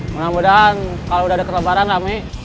mudah mudahan kalau udah ada kelebaran rame